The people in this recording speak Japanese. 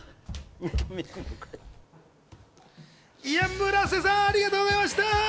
むらせさん、ありがとうございました。